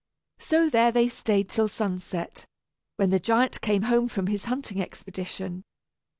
So there they stayed till sunset, when the giant came home from his hunting expedition.